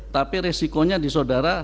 tapi risikonya di saudara